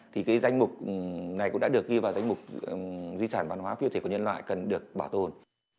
thì cái danh mục này cũng đã được ghi vào danh mục di sản văn hóa phi vật thể của nhân loại cần được bảo tồn